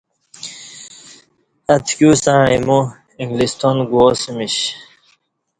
ا تکیوستݩع ایمو انگلستان گوا سمیش۔